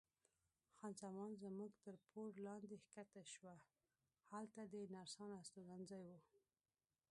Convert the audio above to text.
خان زمان زموږ تر پوړ لاندې کښته شوه، هلته د نرسانو استوګنځای و.